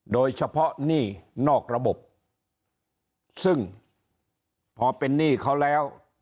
หนี้นอกระบบซึ่งพอเป็นหนี้เขาแล้ว